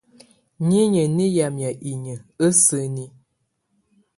Niinyǝ́ nɛ yamɛ̀á inyǝ́ á sǝni.